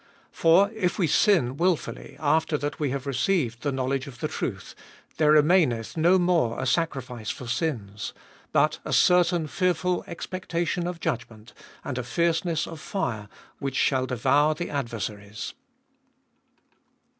For if we sin wilfully after that we have received the knowledge of the truth, there remaineth no more a sacrifice for sins, 27. But a certain fearful expectation of judgment, and a fierceness of fire which shall devour the adversaries.